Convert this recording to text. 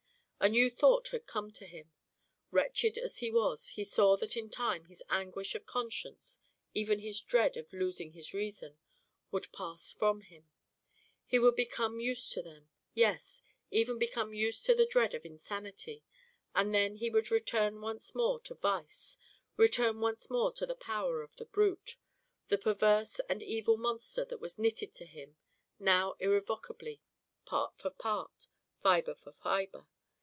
A new thought had come to him. Wretched as he was, he saw that in time his anguish of conscience, even his dread of losing his reason, would pass from him; he would become used to them; yes, even become used to the dread of insanity, and then he would return once more to vice, return once more into the power of the brute, the perverse and evil monster that was knitted to him now irrevocably, part for part, fibre for fibre.